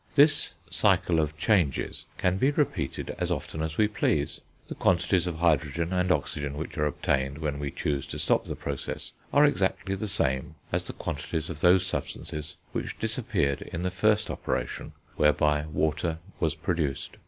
This cycle of changes can be repeated as often as we please; the quantities of hydrogen and oxygen which are obtained when we choose to stop the process are exactly the same as the quantities of those substances which disappeared in the first operation whereby water was produced.